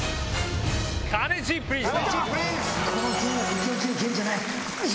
「カネチープリンス」！